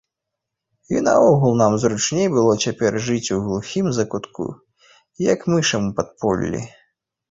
І наогул нам зручней было цяпер жыць у глухім закутку, як мышам у падполлі.